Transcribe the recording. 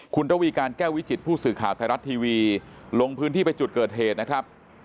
คุณระวีการแก้ววิจิตผู้สื่อข่าวไทยรัฐทีวีลงพื้นที่ไปจุดเกิดเหตุนะครับ